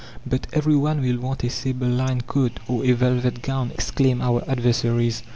"But every one will want a sable lined coat or a velvet gown!" exclaim our adversaries.